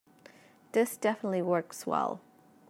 This definitely works well.